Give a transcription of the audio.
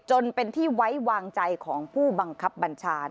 จนเป็นที่ไว้วางใจของผู้บังคับบัญชา